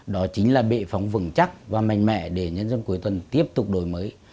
đó chính là bệ phóng vững chắc và mạnh mẽ để nhân dân cuối tuần tiếp tục đổi mới